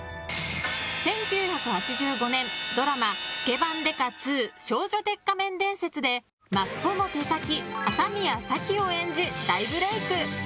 １９８５年、ドラマ「スケバン刑事２少女鉄仮面伝説」でマッポの手先・麻宮サキを演じ大ブレーク。